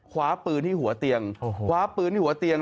คว้าปืนที่หัวเตียงคว้าปืนที่หัวเตียง